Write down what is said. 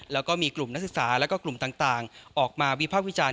แล้วก็มีกลุ่มนักศึกษาแล้วก็กลุ่มต่างออกมาวิภาควิจารณ